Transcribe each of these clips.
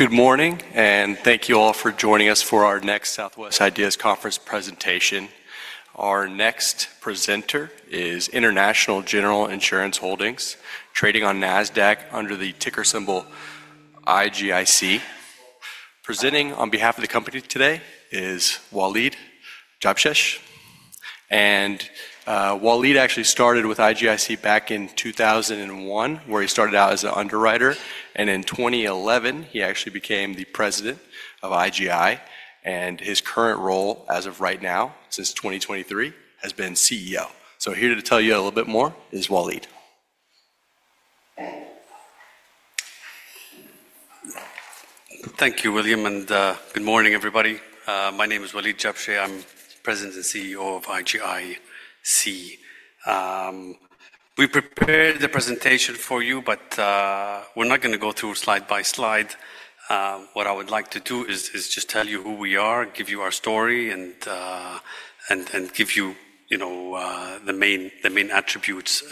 Good morning, and thank you all for joining us for our next Southwest IDEAS Conference Presentation. Our next presenter is International General Insurance Holdings, trading on NASDAQ under the ticker symbol IGIC. Presenting on behalf of the company today is Waleed Jabsheh. Waleed actually started with IGIC back in 2001, where he started out as an underwriter. In 2011, he actually became the president of IGI. His current role, as of right now, since 2023, has been CEO. Here to tell you a little bit more is Waleed. Thank you, William. Good morning, everybody. My name is Waleed Jabsheh. I'm President and CEO of IGIC. We prepared the presentation for you, but we're not going to go through slide by slide. What I would like to do is just tell you who we are, give you our story, and give you the main attributes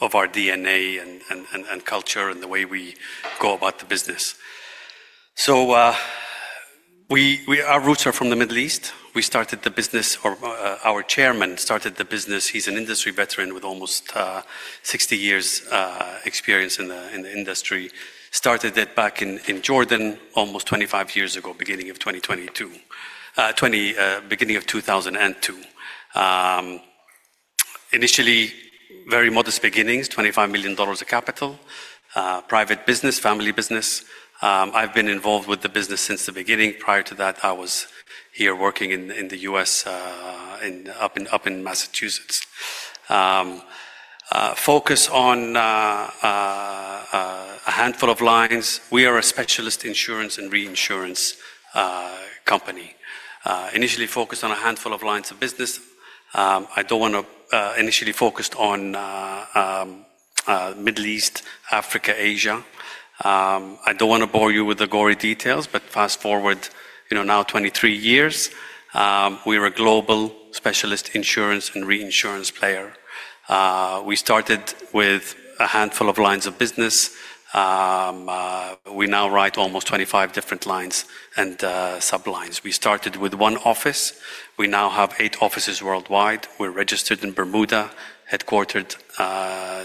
of our DNA and culture and the way we go about the business. Our roots are from the Middle East. We started the business, or our Chairman started the business. He's an industry veteran with almost 60 years' experience in the industry. Started it back in Jordan almost 25 years ago, beginning of 2002. Initially, very modest beginnings, $25 million of capital, private business, family business. I've been involved with the business since the beginning. Prior to that, I was here working in the U.S., up in Massachusetts. Focus on a handful of lines. We are a specialist insurance and reinsurance company. Initially focused on a handful of lines of business. I do not want to initially focus on Middle East, Africa, Asia. I do not want to bore you with the gory details, but fast forward now 23 years. We are a global specialist insurance and reinsurance player. We started with a handful of lines of business. We now write almost 25 different lines and sublines. We started with one office. We now have eight offices worldwide. We are registered in Bermuda, headquartered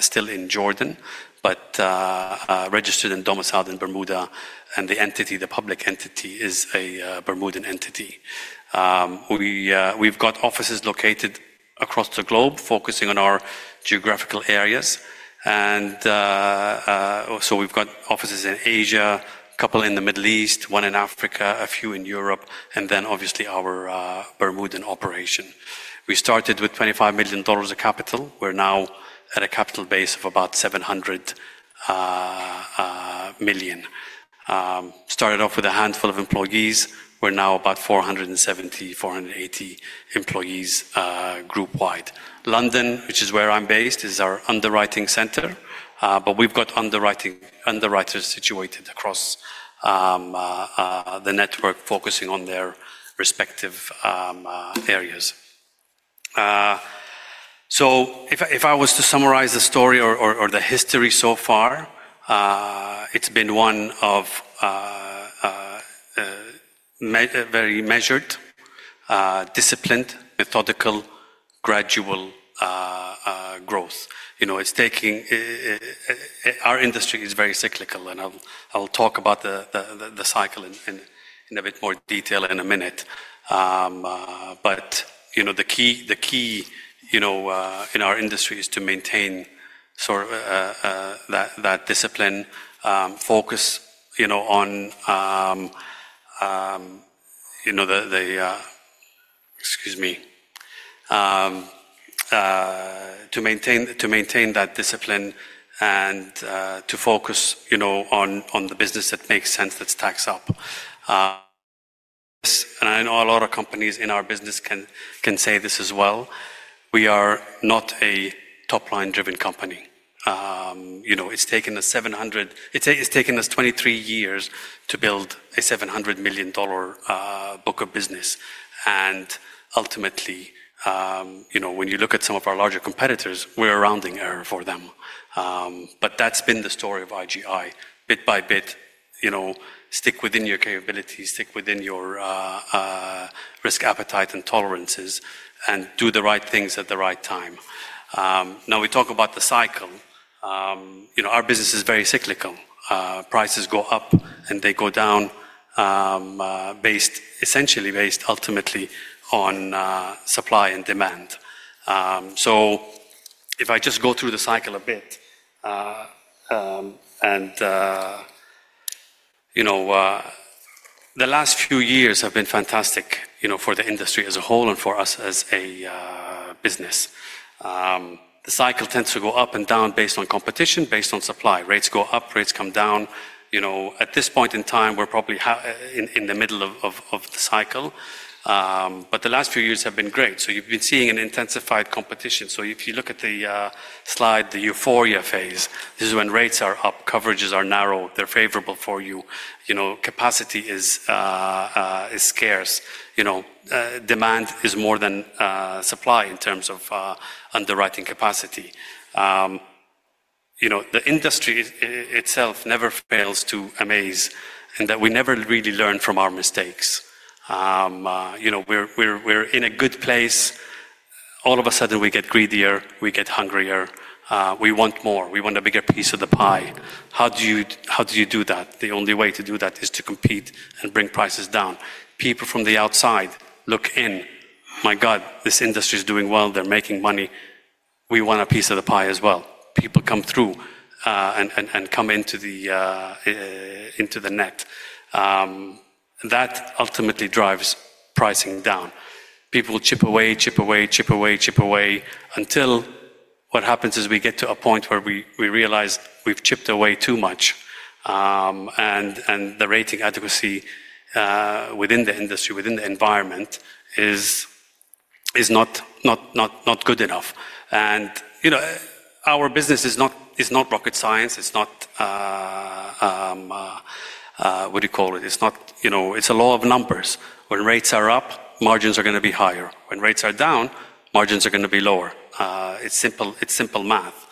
still in Jordan, but registered and domiciled in Bermuda. The entity, the public entity, is a Bermudan entity. We have offices located across the globe, focusing on our geographical areas. We have offices in Asia, a couple in the Middle East, one in Africa, a few in Europe, and obviously our Bermudan operation. We started with $25 million of capital. We're now at a capital base of about $700 million. Started off with a handful of employees. We're now about 470-480 employees group wide. London, which is where I'm based, is our underwriting center. We've got underwriters situated across the network, focusing on their respective areas. If I was to summarize the story or the history so far, it's been one of very measured, disciplined, methodical, gradual growth. Our industry is very cyclical. I'll talk about the cycle in a bit more detail in a minute. The key in our industry is to maintain that discipline and to focus on the business that makes sense, that stacks up. A lot of companies in our business can say this as well. We are not a top-line-driven company. It's taken us 23 years to build a $700 million book of business. Ultimately, when you look at some of our larger competitors, we're a rounding error for them. That's been the story of IGI. Bit by bit, stick within your capabilities, stick within your risk appetite and tolerances, and do the right things at the right time. Now, we talk about the cycle. Our business is very cyclical. Prices go up and they go down, essentially based, ultimately, on supply and demand. If I just go through the cycle a bit, the last few years have been fantastic for the industry as a whole and for us as a business. The cycle tends to go up and down based on competition, based on supply. Rates go up, rates come down. At this point in time, we're probably in the middle of the cycle. The last few years have been great. You have been seeing an intensified competition. If you look at the slide, the euphoria phase, this is when rates are up, coverages are narrow, they are favorable for you, capacity is scarce, demand is more than supply in terms of underwriting capacity. The industry itself never fails to amaze in that we never really learn from our mistakes. We are in a good place. All of a sudden, we get greedier, we get hungrier, we want more, we want a bigger piece of the pie. How do you do that? The only way to do that is to compete and bring prices down. People from the outside look in. My God, this industry is doing well. They are making money. We want a piece of the pie as well. People come through and come into the net. That ultimately drives pricing down. People chip away, chip away, chip away, chip away, until what happens is we get to a point where we realize we've chipped away too much. The rating adequacy within the industry, within the environment, is not good enough. Our business is not rocket science. It's not, what do you call it? It's a law of numbers. When rates are up, margins are going to be higher. When rates are down, margins are going to be lower. It's simple math.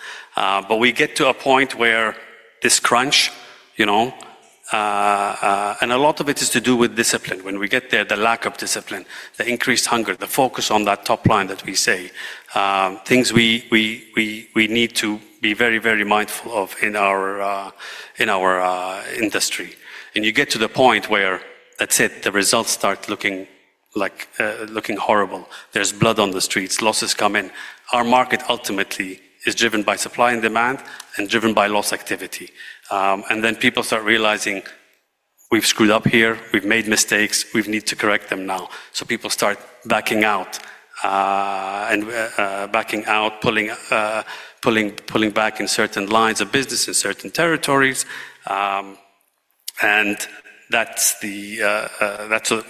We get to a point where this crunch, and a lot of it is to do with discipline. When we get there, the lack of discipline, the increased hunger, the focus on that top line that we say, things we need to be very, very mindful of in our industry. You get to the point where, that's it, the results start looking horrible. There's blood on the streets, losses come in. Our market ultimately is driven by supply and demand and driven by loss activity. People start realizing we've screwed up here, we've made mistakes, we need to correct them now. People start backing out, pulling back in certain lines of business in certain territories. That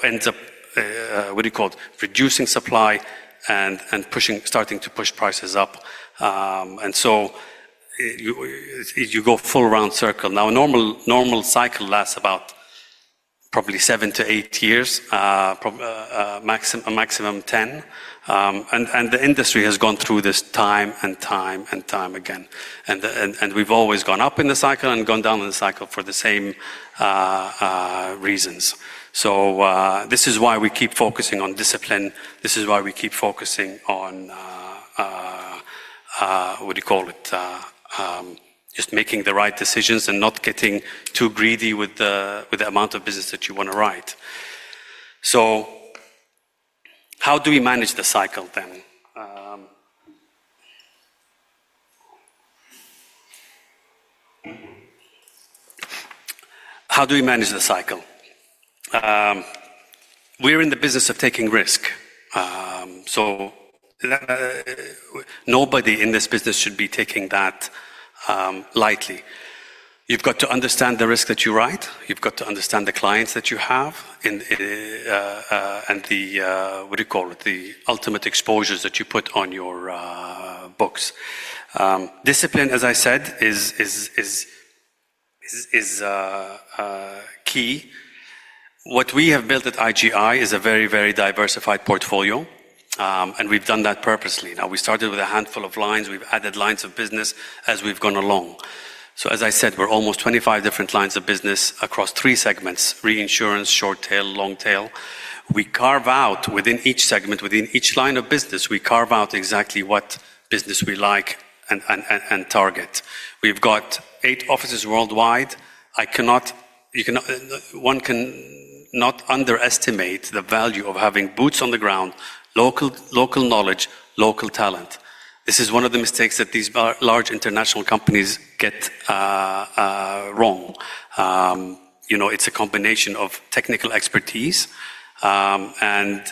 ends up, what do you call it, reducing supply and starting to push prices up. You go full round circle. Now, a normal cycle lasts about probably seven to eight years, a maximum of 10. The industry has gone through this time and time and time again. We've always gone up in the cycle and gone down in the cycle for the same reasons. This is why we keep focusing on discipline. This is why we keep focusing on, what do you call it, just making the right decisions and not getting too greedy with the amount of business that you want to write. How do we manage the cycle then? How do we manage the cycle? We're in the business of taking risk. Nobody in this business should be taking that lightly. You've got to understand the risk that you write. You've got to understand the clients that you have and the, what do you call it, the ultimate exposures that you put on your books. Discipline, as I said, is key. What we have built at IGI is a very, very diversified portfolio. We've done that purposely. We started with a handful of lines. We've added lines of business as we've gone along. As I said, we're almost 25 different lines of business across three segments: reinsurance, short tail, long tail. We carve out within each segment, within each line of business, we carve out exactly what business we like and target. We've got eight offices worldwide. One cannot underestimate the value of having boots on the ground, local knowledge, local talent. This is one of the mistakes that these large international companies get wrong. It's a combination of technical expertise and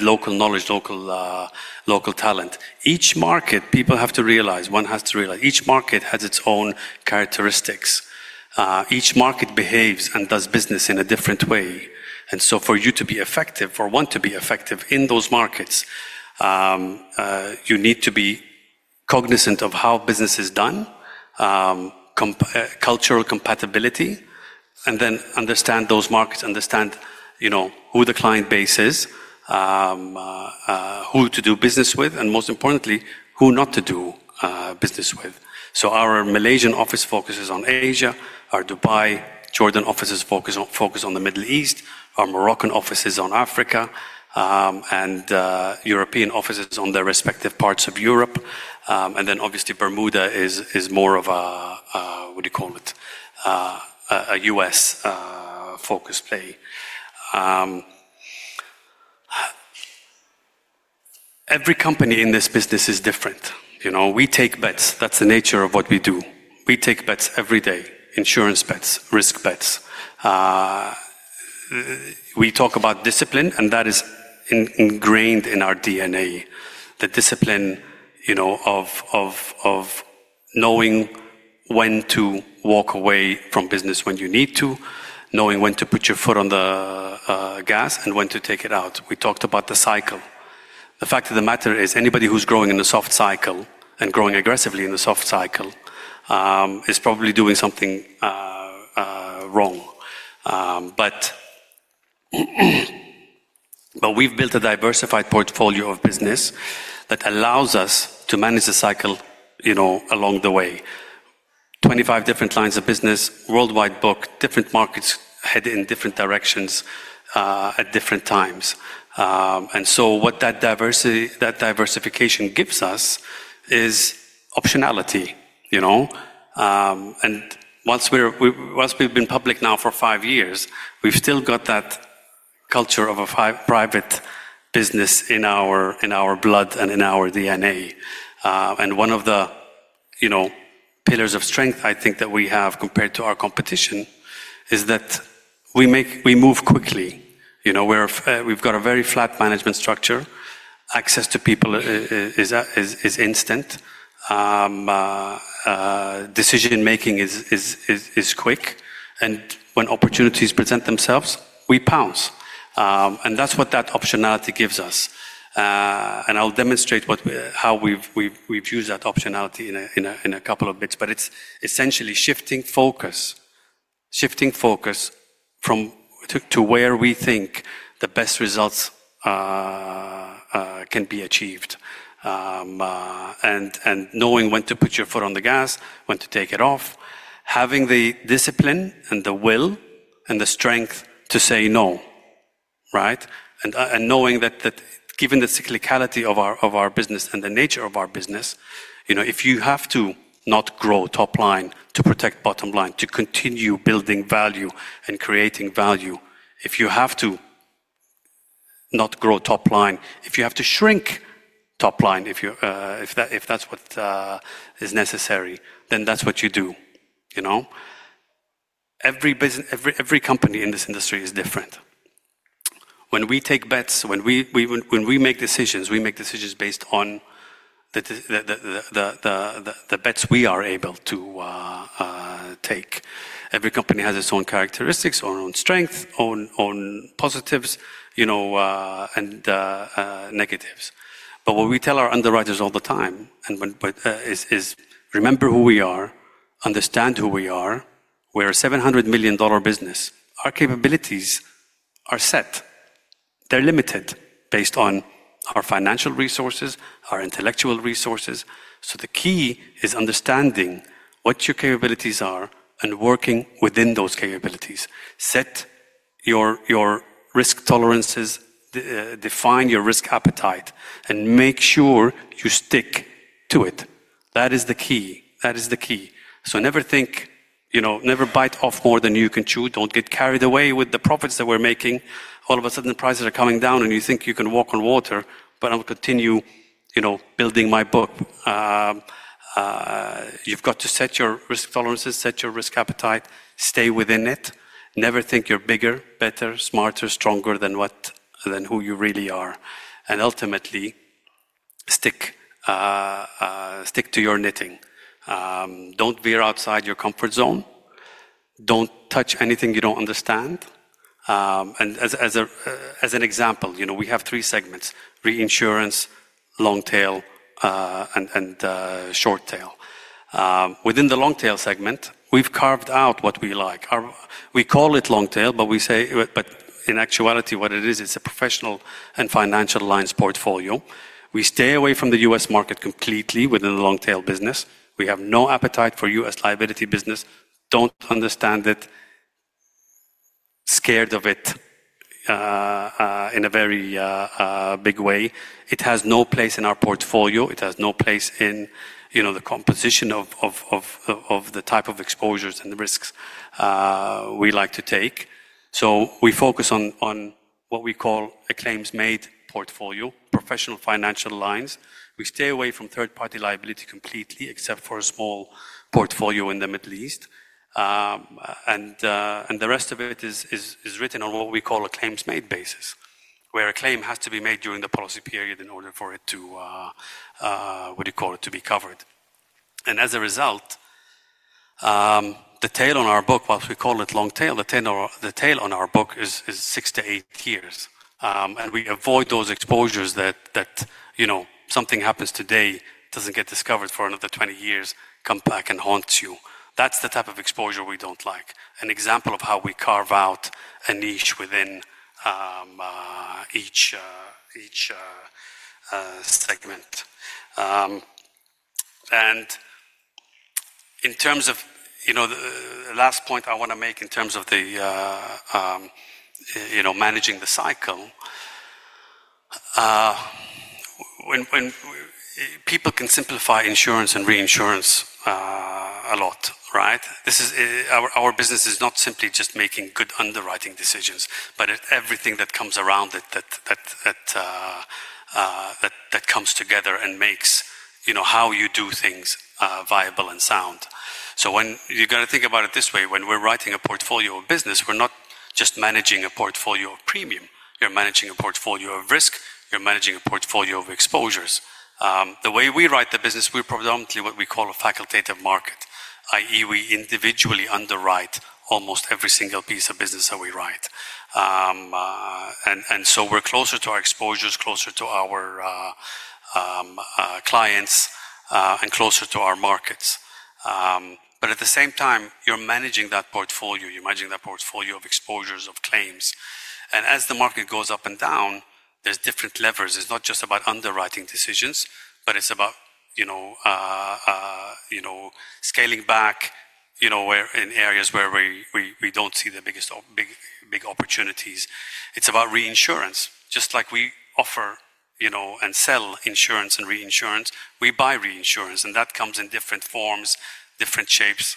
local knowledge, local talent. Each market, people have to realize, one has to realize, each market has its own characteristics. Each market behaves and does business in a different way. For you to be effective, for one to be effective in those markets, you need to be cognizant of how business is done, cultural compatibility, and then understand those markets, understand who the client base is, who to do business with, and most importantly, who not to do business with. Our Malaysian office focuses on Asia. Our Dubai, Jordan offices focus on the Middle East. Our Moroccan office is on Africa. European offices on their respective parts of Europe. Obviously, Bermuda is more of a, what do you call it, a U.S.-focused play. Every company in this business is different. We take bets. That's the nature of what we do. We take bets every day, insurance bets, risk bets. We talk about discipline, and that is ingrained in our DNA, the discipline of knowing when to walk away from business when you need to, knowing when to put your foot on the gas and when to take it out. We talked about the cycle. The fact of the matter is anybody who's growing in a soft cycle and growing aggressively in a soft cycle is probably doing something wrong. We have built a diversified portfolio of business that allows us to manage the cycle along the way. 25 different lines of business, worldwide book, different markets head in different directions at different times. What that diversification gives us is optionality. Once we've been public now for five years, we've still got that culture of a private business in our blood and in our DNA. One of the pillars of strength, I think, that we have compared to our competition is that we move quickly. We have a very flat management structure. Access to people is instant. Decision-making is quick. When opportunities present themselves, we pounce. That optionality gives us that. I will demonstrate how we have used that optionality in a couple of bits. It is essentially shifting focus to where we think the best results can be achieved. Knowing when to put your foot on the gas, when to take it off, having the discipline and the will and the strength to say no, right? Knowing that given the cyclicality of our business and the nature of our business, if you have to not grow top line to protect bottom line, to continue building value and creating value, if you have to not grow top line, if you have to shrink top line, if that's what is necessary, that's what you do. Every company in this industry is different. When we take bets, when we make decisions, we make decisions based on the bets we are able to take. Every company has its own characteristics, own strengths, own positives, and negatives. What we tell our underwriters all the time is, remember who we are, understand who we are. We're a $700 million business. Our capabilities are set. They're limited based on our financial resources, our intellectual resources. The key is understanding what your capabilities are and working within those capabilities. Set your risk tolerances, define your risk appetite, and make sure you stick to it. That is the key. That is the key. Never bite off more than you can chew. Do not get carried away with the profits that we are making. All of a sudden, prices are coming down and you think you can walk on water, but I will continue building my book. You have got to set your risk tolerances, set your risk appetite, stay within it. Never think you are bigger, better, smarter, stronger than who you really are. Ultimately, stick to your knitting. Do not veer outside your comfort zone. Do not touch anything you do not understand. As an example, we have three segments: reinsurance, long tail, and short tail. Within the long tail segment, we have carved out what we like. We call it long tail, but in actuality, what it is, it's a professional and financial lines portfolio. We stay away from the U.S. market completely within the long tail business. We have no appetite for U.S. liability business. Do not understand it, scared of it in a very big way. It has no place in our portfolio. It has no place in the composition of the type of exposures and risks we like to take. We focus on what we call a claims-made portfolio, professional financial lines. We stay away from third-party liability completely, except for a small portfolio in the Middle East. The rest of it is written on what we call a claims-made basis, where a claim has to be made during the policy period in order for it to, what do you call it, to be covered. As a result, the tail on our book, whilst we call it long tail, the tail on our book is six to eight years. We avoid those exposures that something happens today, does not get discovered for another 20 years, comes back and haunts you. That is the type of exposure we do not like. An example of how we carve out a niche within each segment. In terms of the last point I want to make in terms of managing the cycle, people can simplify insurance and reinsurance a lot, right? Our business is not simply just making good underwriting decisions, but everything that comes around it that comes together and makes how you do things viable and sound. You have to think about it this way, when we are writing a portfolio of business, we are not just managing a portfolio of premium. You're managing a portfolio of risk. You're managing a portfolio of exposures. The way we write the business, we're predominantly what we call a facultative market, i.e., we individually underwrite almost every single piece of business that we write. You're closer to our exposures, closer to our clients, and closer to our markets. At the same time, you're managing that portfolio. You're managing that portfolio of exposures, of claims. As the market goes up and down, there's different levers. It's not just about underwriting decisions, but it's about scaling back in areas where we don't see the biggest opportunities. It's about reinsurance. Just like we offer and sell insurance and reinsurance, we buy reinsurance. That comes in different forms, different shapes.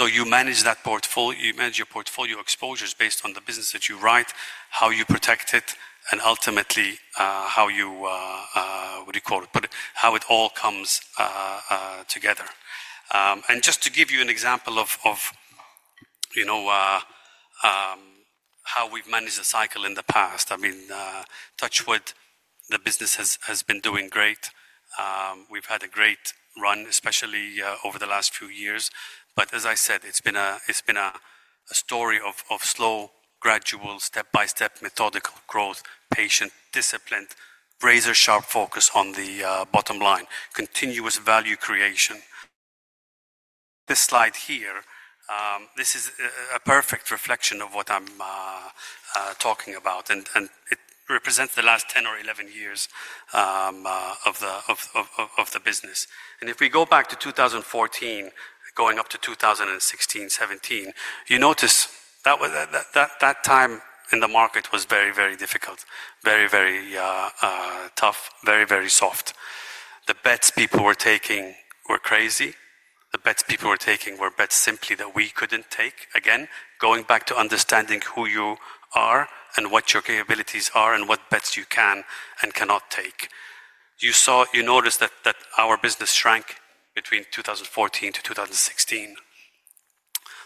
You manage your portfolio exposures based on the business that you write, how you protect it, and ultimately how you, what do you call it, how it all comes together. Just to give you an example of how we've managed the cycle in the past, I mean, Touchwood, the business has been doing great. We've had a great run, especially over the last few years. As I said, it's been a story of slow, gradual, step-by-step, methodical growth, patient, disciplined, razor-sharp focus on the bottom line, continuous value creation. This slide here, this is a perfect reflection of what I'm talking about. It represents the last 10 or 11 years of the business. If we go back to 2014, going up to 2016, 2017, you notice that time in the market was very, very difficult, very, very tough, very, very soft. The bets people were taking were crazy. The bets people were taking were bets simply that we could not take. Again, going back to understanding who you are and what your capabilities are and what bets you can and cannot take. You notice that our business shrank between 2014 to 2016.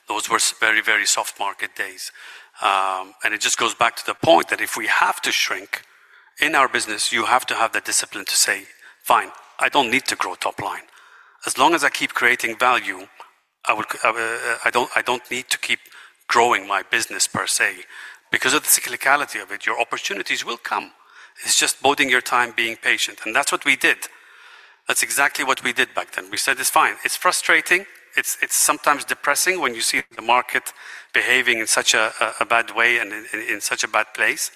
Those were very, very soft market days. It just goes back to the point that if we have to shrink in our business, you have to have the discipline to say, "Fine, I do not need to grow top line. As long as I keep creating value, I do not need to keep growing my business per se." Because of the cyclicality of it, your opportunities will come. It is just biding your time, being patient. That is what we did. That is exactly what we did back then. We said, "It is fine." It is frustrating. It's sometimes depressing when you see the market behaving in such a bad way and in such a bad place.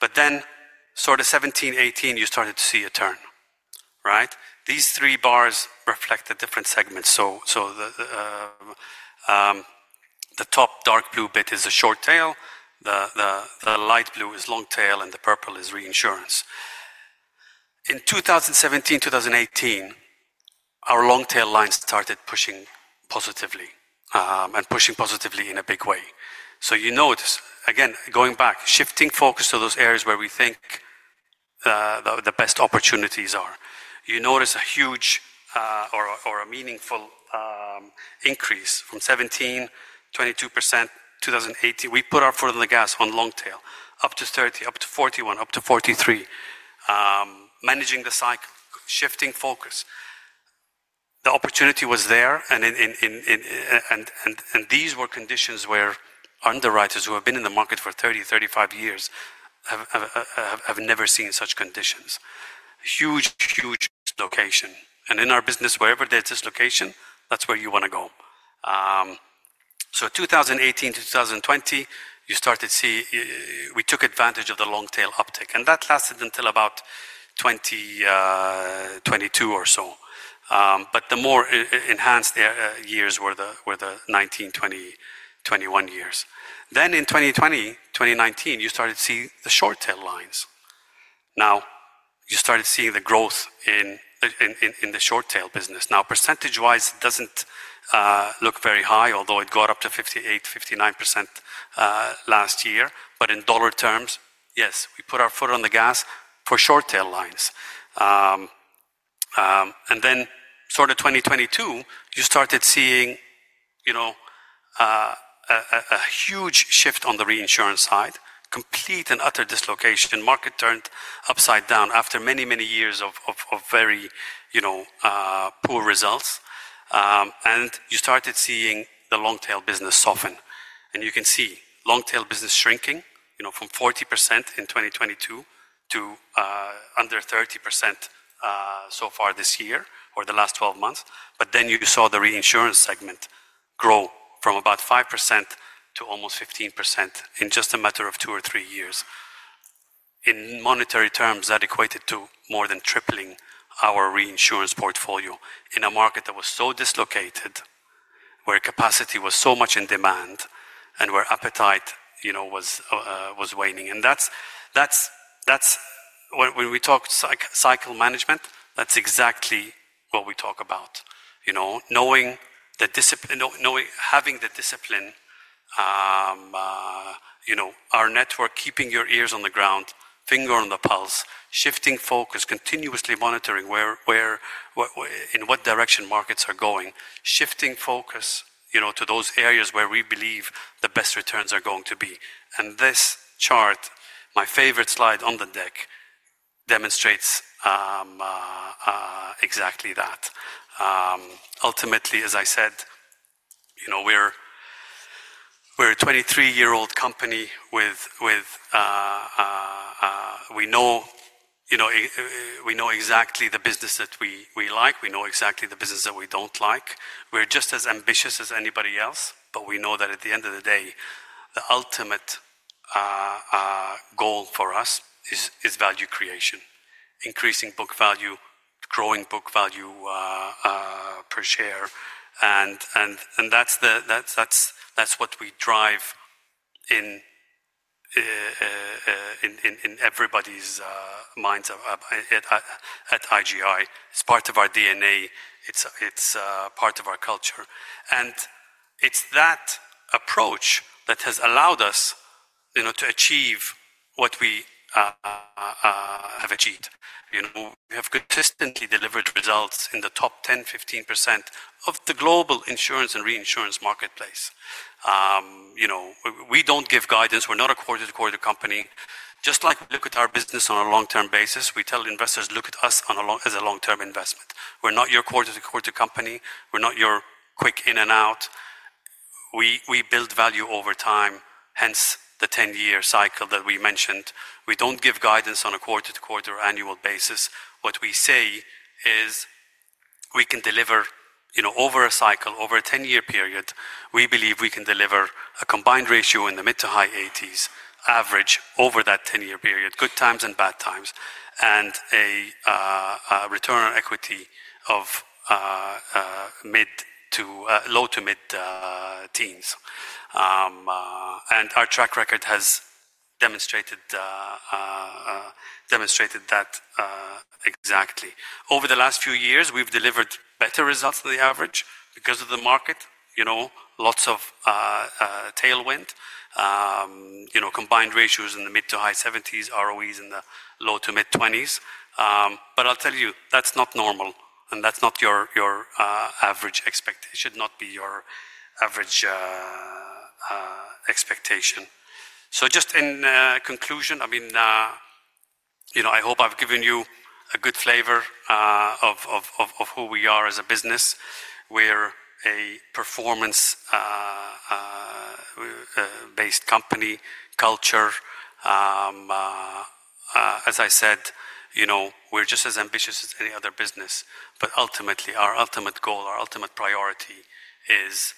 In 2017, 2018, you started to see a turn, right? These three bars reflect the different segments. The top dark blue bit is short tail. The light blue is long tail, and the purple is reinsurance. In 2017, 2018, our long tail line started pushing positively and pushing positively in a big way. You notice, again, going back, shifting focus to those areas where we think the best opportunities are. You notice a huge or a meaningful increase from 2017, 22%, 2018. We put our foot on the gas on long tail, up to 30%, up to 41%, up to 43%, managing the cycle, shifting focus. The opportunity was there. These were conditions where underwriters who have been in the market for 30, 35 years have never seen such conditions. Huge, huge dislocation. In our business, wherever there is dislocation, that is where you want to go. In 2018-2020, we took advantage of the long tail uptake. That lasted until about 2022 or so. The more enhanced years were the 2019, 2020, 2021 years. In 2020, 2019, you started to see the short tail lines. You started seeing the growth in the short tail business. Percentage-wise, it does not look very high, although it got up to 58%-59% last year. In dollar terms, yes, we put our foot on the gas for short tail lines. In 2022, you started seeing a huge shift on the reinsurance side, complete and utter dislocation. Market turned upside down after many, many years of very poor results. You started seeing the long tail business soften. You can see long tail business shrinking from 40% in 2022 to under 30% so far this year or the last 12 months. You saw the reinsurance segment grow from about 5% to almost 15% in just a matter of two or three years. In monetary terms, that equated to more than tripling our reinsurance portfolio in a market that was so dislocated, where capacity was so much in demand, and where appetite was waning. That is when we talk cycle management, that is exactly what we talk about. Knowing that discipline, having the discipline, our network, keeping your ears on the ground, finger on the pulse, shifting focus, continuously monitoring in what direction markets are going, shifting focus to those areas where we believe the best returns are going to be. This chart, my favorite slide on the deck, demonstrates exactly that. Ultimately, as I said, we're a 23-year-old company with we know exactly the business that we like. We know exactly the business that we don't like. We're just as ambitious as anybody else. We know that at the end of the day, the ultimate goal for us is value creation, increasing book value, growing book value per share. That's what we drive in everybody's minds at IGI. It's part of our DNA. It's part of our culture. It's that approach that has allowed us to achieve what we have achieved. We have consistently delivered results in the top 10%-15% of the global insurance and reinsurance marketplace. We do not give guidance. We are not a quarter-to-quarter company. Just like we look at our business on a long-term basis, we tell investors, "Look at us as a long-term investment. We are not your quarter-to-quarter company. We are not your quick in and out. We build value over time, hence the 10-year cycle that we mentioned. We do not give guidance on a quarter-to-quarter annual basis. What we say is we can deliver over a cycle, over a 10-year period, we believe we can deliver a combined ratio in the mid-to-high 80s average over that 10-year period, good times and bad times, and a return on equity of low-to-mid teens. Our track record has demonstrated that exactly. Over the last few years, we've delivered better results than the average because of the market, lots of tailwind, combined ratios in the mid to high 70s, ROEs in the low to mid 20s. I'll tell you, that's not normal. That's not your average expectation. It should not be your average expectation. Just in conclusion, I mean, I hope I've given you a good flavor of who we are as a business. We're a performance-based company, culture. As I said, we're just as ambitious as any other business. Ultimately, our ultimate goal, our ultimate priority is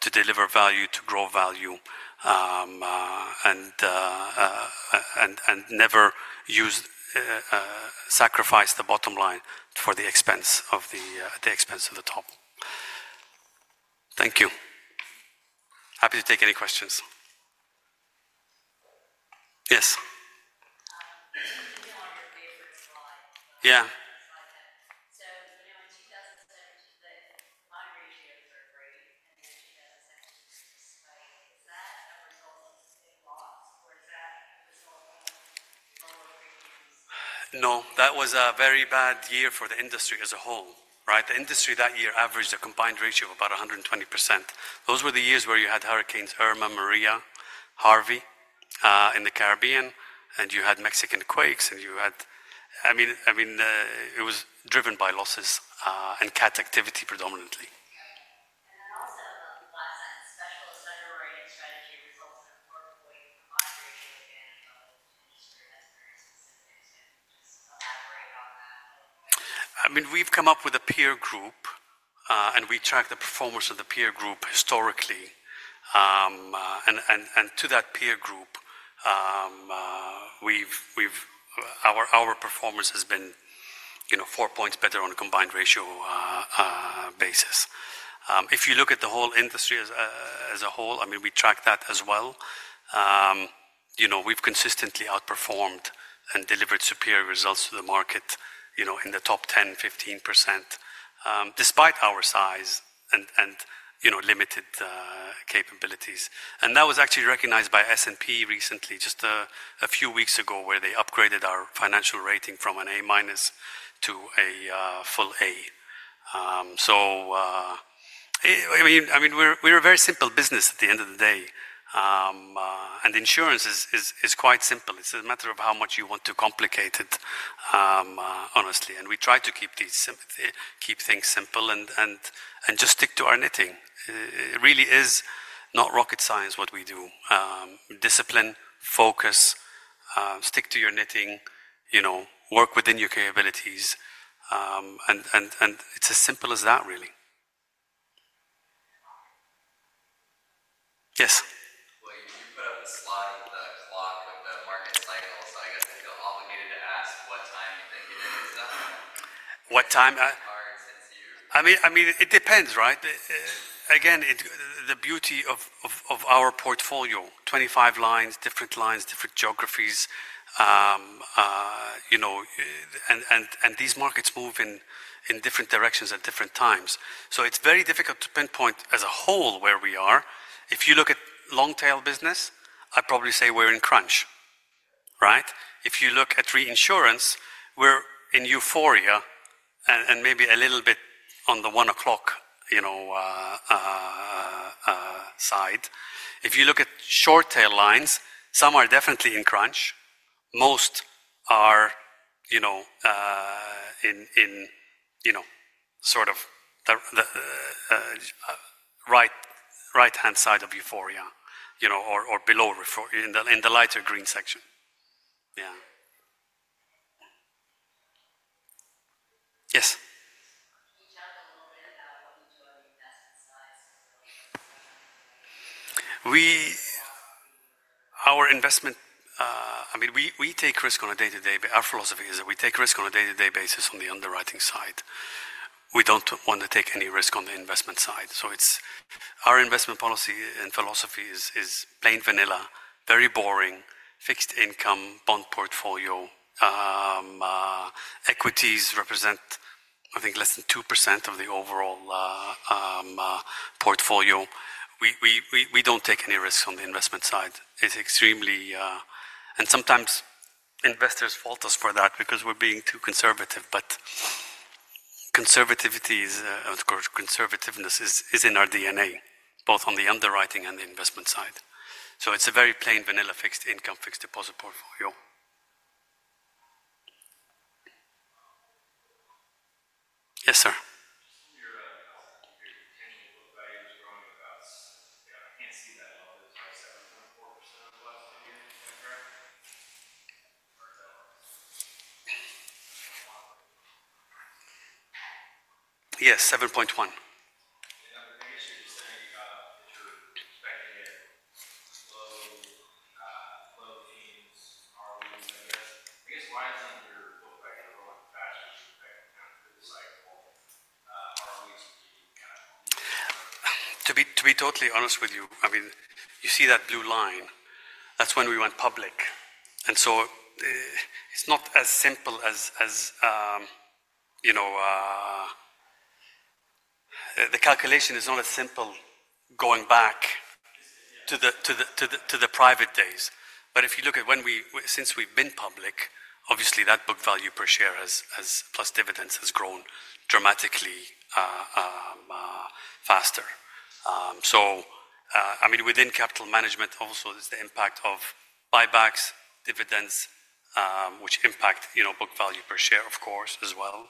to deliver value, to grow value, and never sacrifice the bottom line for the expense of the top. Thank you. Happy to take any questions. Yes. Actually, we did not want to go deeper into slide 10. You know, in 2017, the high ratios are great. Then in 2017, it is just way up. Is that a result of the same loss? Or is that a result of lower premiums? No. That was a very bad year for the industry as a whole, right? The industry that year averaged a combined ratio of about 120%. Those were the years where you had Hurricanes Irma, Maria, Harvey in the Caribbean, and you had Mexican quakes, and you had, I mean, it was driven by losses and cat activity predominantly. Okay. Also, the last sentence, specialist underwriting strategy results in a 4.5 ratio again of the industry. That is very specific too. Just elaborate on that a little bit. I mean, we've come up with a peer group, and we track the performance of the peer group historically. And to that peer group, our performance has been 4 points better on a combined ratio basis. If you look at the whole industry as a whole, I mean, we track that as well. We've consistently outperformed and delivered superior results to the market in the top 10%-15%, despite our size and limited capabilities. That was actually recognized by S&P recently, just a few weeks ago, where they upgraded our financial rating from an -A to a full A. I mean, we're a very simple business at the end of the day. Insurance is quite simple. It's a matter of how much you want to complicate it, honestly. We try to keep things simple and just stick to our knitting. It really is not rocket science what we do. Discipline, focus, stick to your knitting, work within your capabilities. It's as simple as that, really. All right. Yes? You put up the slide with the clock with the market cycle. I guess I feel obligated to ask what time you think it is. What time? Hard since you. I mean, it depends, right? Again, the beauty of our portfolio, 25 lines, different lines, different geographies. These markets move in different directions at different times. It is very difficult to pinpoint as a whole where we are. If you look at long tail business, I'd probably say we're in crunch, right? If you look at reinsurance, we're in euphoria and maybe a little bit on the 1 o'clock side. If you look at short tail lines, some are definitely in crunch. Most are in sort of the right-hand side of euphoria or below in the lighter green section. Yeah. Yes? Can you chat a little bit about what you do on the investment side? Our investment, -- I mean, we take risk on a day-to-day, but our philosophy is that we take risk on a day-to-day basis on the underwriting side. We do not want to take any risk on the investment side. Our investment policy and philosophy is plain vanilla, very boring, fixed income, bond portfolio. Equities represent, I think, less than 2% of the overall portfolio. We do not take any risks on the investment side. It is extremely, and sometimes investors fault us for that because we are being too conservative. Conservativeness is in our DNA, both on the underwriting and the investment side. It is a very plain vanilla fixed income, fixed deposit portfolio. Yes, sir? Your potential book value is growing about, I can't see that low. It's like 7.4% over the last 10 years. Is that correct? Yes, 7.1%. I guess you're just saying that you're expecting it. Low teens, ROEs, I guess. I guess why isn't your book value growing faster as you're expecting down through the cycle? ROEs keep getting kind of on the upper? To be totally honest with you, I mean, you see that blue line. That's when we went public. It's not as simple as the calculation is not as simple going back to the private days. If you look at when we, since we've been public, obviously that book value per share plus dividends has grown dramatically faster. I mean, within capital management, also there's the impact of buybacks, dividends, which impact book value per share, of course, as well.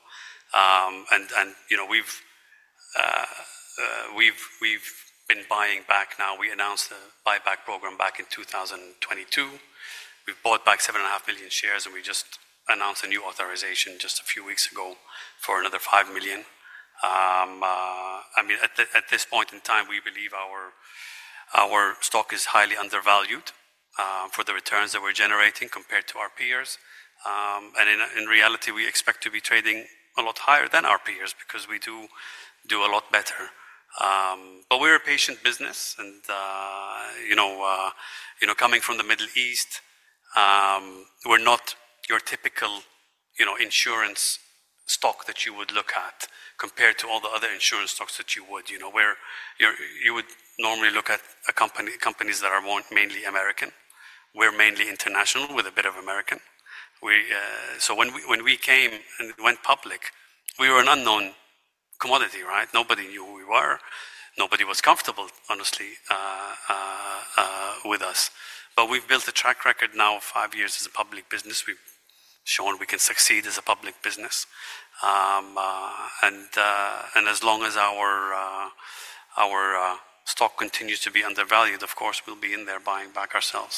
We've been buying back now. We announced the buyback program back in 2022. We've bought back 7.5 million shares, and we just announced a new authorization just a few weeks ago for another 5 million. I mean, at this point in time, we believe our stock is highly undervalued for the returns that we're generating compared to our peers. In reality, we expect to be trading a lot higher than our peers because we do a lot better. We are a patient business. Coming from the Middle East, we are not your typical insurance stock that you would look at compared to all the other insurance stocks that you would. You would normally look at companies that are mainly American. We are mainly international with a bit of American. When we came and went public, we were an unknown commodity, right? Nobody knew who we were. Nobody was comfortable, honestly, with us. We have built a track record now of five years as a public business. We have shown we can succeed as a public business. As long as our stock continues to be undervalued, of course, we will be in there buying back ourselves.